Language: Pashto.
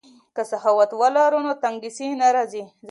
که سخاوت ولرو نو تنګسي نه راځي.